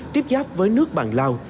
tiếp giáp với nước bạn lào